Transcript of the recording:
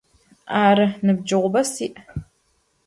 Arı, nıbceğube si'.